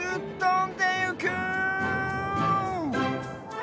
ん？